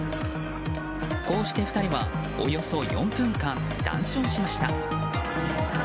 こうして２人はおよそ４分間談笑しました。